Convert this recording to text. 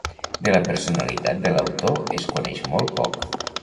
De la personalitat de l'autor es coneix molt poc.